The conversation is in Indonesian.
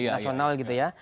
nasional gitu ya